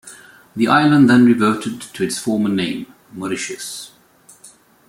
The island then reverted to its former name, 'Mauritius'.